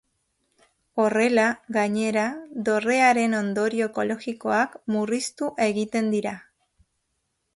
Horrela gainera, dorrearen ondorio ekologikoak murriztu egiten dira.